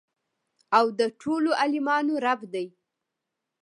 او د ټولو عالميانو رب دى.